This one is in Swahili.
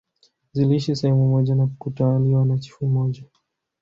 Ziliishi sehemu moja na kutawaliwa na chifu mmoja